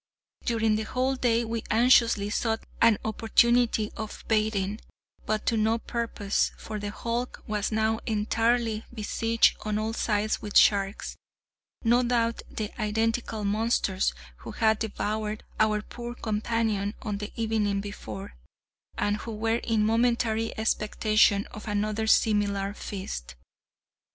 During the whole day we anxiously sought an opportunity of bathing, but to no purpose; for the hulk was now entirely besieged on all sides with sharks—no doubt the identical monsters who had devoured our poor companion on the evening before, and who were in momentary expectation of another similar feast.